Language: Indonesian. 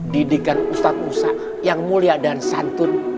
didikan ustadz ustadz yang mulia dan santun